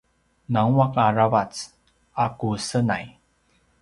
nguaq aravac a ku senay